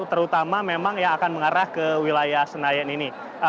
terutama memang yang akan mengarah ke wilayah senayan ini